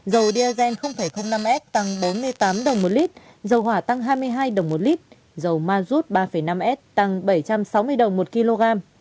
dầu diazen năm s tăng bốn mươi tám đồng một lít dầu hỏa tăng hai mươi hai đồng một lít dầu ma rút ba năm s tăng bảy trăm sáu mươi đồng một kg